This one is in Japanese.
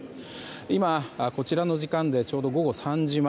今、こちらの時間でちょうど午後３時前。